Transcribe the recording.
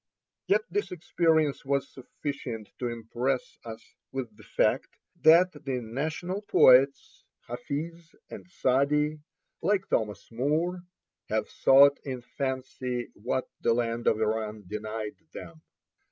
Yet this experience was sufficient to impress us with the fact Ill 87 LEAVING TEHERAN FOR MESHED. that the national poets, Hafiz and Sadi, like Thomas Moore, have sought in fancy what the land of Iran denied them.